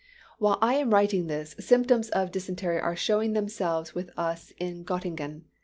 "While I am writing this, symptoms of dysentery are showing themselves with us in Gottingen.